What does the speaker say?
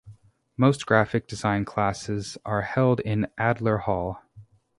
Most graphic design classes are held in Adler Hall.